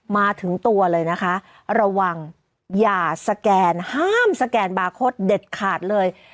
มาถึงตัวเลยนะคะระวังอย่าสแกนห้ามสแกนบาร์โค้ดเด็ดขาดเลย